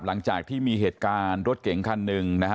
หลังจากที่มีเหตุการณ์รถเก๋งคันหนึ่งนะฮะ